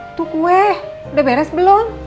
untuk kue udah beres belum